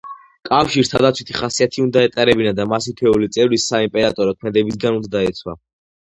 კავშირს თავდაცვითი ხასიათი უნდა ეტარებინა და მას თითოეული წევრი საიმპერატორო ქმედებებისგან უნდა დაეცვა.